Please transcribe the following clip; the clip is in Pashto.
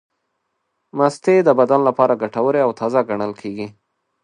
مستې د بدن لپاره ګټورې او تازې ګڼل کېږي.